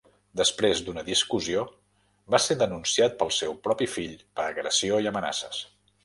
Després d'una discussió, va ser denunciat pel seu propi fill per agressió i amenaces.